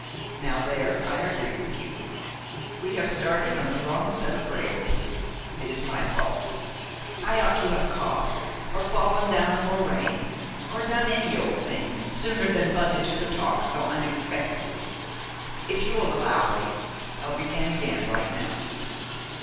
"Now, there I agree with you. We have started on the wrong set of rails. It is my fault. I ought to have coughed, or fallen down the moraine, or done any old thing sooner than butt into the talk so unexpectedly. If you will allow me, I'll begin again right now."